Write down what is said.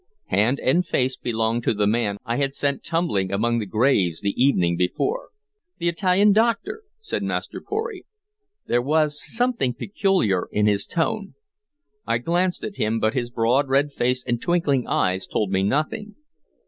Hand and face belonged to the man I had sent tumbling among the graves the evening before. "The Italian doctor," said Master Pory. There was something peculiar in his tone. I glanced at him, but his broad red face and twinkling eyes told me nothing.